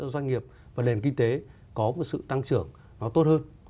hỗ trợ doanh nghiệp và nền kinh tế có một sự tăng trưởng nó tốt hơn